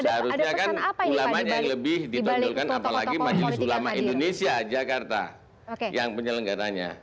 seharusnya kan ulamanya yang lebih ditonjolkan apalagi majelis ulama indonesia jakarta yang penyelenggaranya